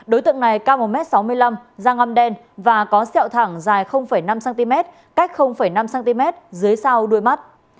đối tượng này cao một m sáu mươi năm dao ngâm đen và có sẹo thẳng dài năm cm cách năm cm dưới sau đuôi mắt